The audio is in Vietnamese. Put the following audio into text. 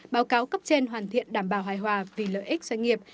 báo cáo cấp trên hoàn thiện đảm bảo hài hòa vì lợi ích doanh nghiệp